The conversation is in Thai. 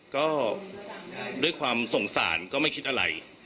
ก็ด้วยความสงสารก็ไม่คิดอะไร